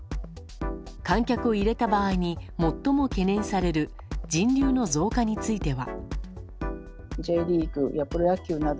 観客を入れた場合に最も懸念される人流の増加については。